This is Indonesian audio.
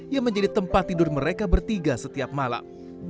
yang menjadi tempat tidur mereka bertiga setiap malam